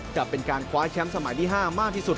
จะเป็นการคว้าแชมป์สมัยที่๕มากที่สุด